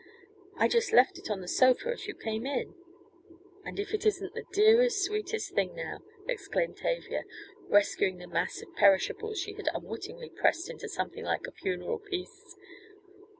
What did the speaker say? I just left it on the sofa as you came in " "And if it isn't the dearest, sweetest thing now," exclaimed Tavia, rescuing the mass of perishables she had unwittingly pressed into something like a funeral piece.